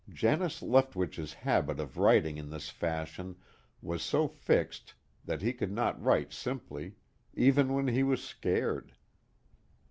Janus Leftwitch's habit of writing in this fashion was so fixed that he could not write simply, even when he was scared.